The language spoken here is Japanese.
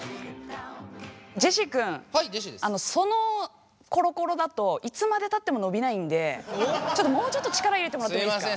ジェシー君そのコロコロだといつまでたっても伸びないんでもうちょっと力入れてもらってもいいですか？